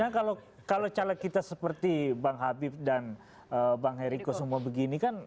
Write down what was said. karena kalau caleg kita seperti bang habib dan bang heriko semua begini kan